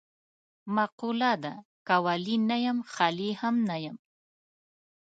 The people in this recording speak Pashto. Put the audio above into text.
مقوله ده: که ولي نه یم خالي هم نه یم.